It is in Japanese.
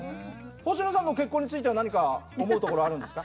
星野さんの結婚については何か思うところはあるんですか？